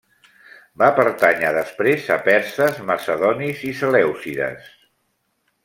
Va pertànyer després a perses, macedonis i selèucides.